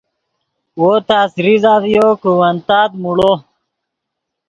وو تس ریزہ ڤیو کہ ون تات موڑو